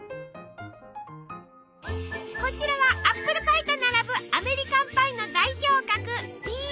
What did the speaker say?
こちらはアップルパイと並ぶアメリカンパイの代表格